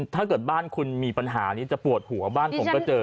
ถ้าเกิดบ้านคุณมีปัญหานี้จะปวดหัวบ้านผมก็เจอ